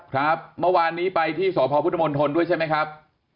ครับเมื่อวานนี้ไปที่สพพุทธมนตรด้วยใช่ไหมครับ